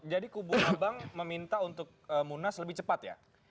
jadi kubur bang meminta untuk munas lebih cepat ya